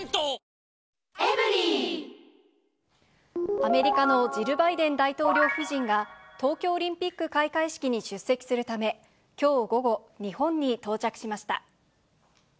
アメリカのジル・バイデン大統領夫人が、東京オリンピック開会式に出席するため、きょう午後、日本に到着しました。